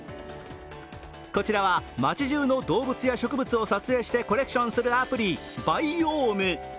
こちらは町中の動物や植物を撮影してコレクションするアプリ「Ｂｉｏｍｅ」。